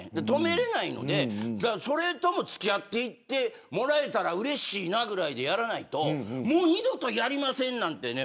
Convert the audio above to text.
止められないのでそれともつき合っていってもらえたらうれしいなぐらいでやらないともう二度とやりませんなんて